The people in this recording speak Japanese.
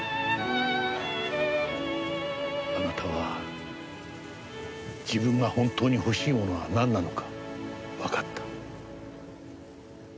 あなたは自分が本当に欲しいものはなんなのかわかった。